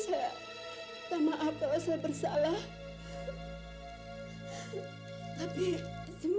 saya rasa kita cukupkan saja dulu